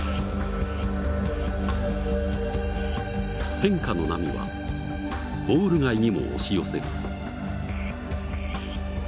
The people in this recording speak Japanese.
変化の波はウォール街にも押し寄せる。